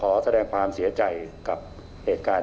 ขอแสดงความเสียใจกับเหตุการณ์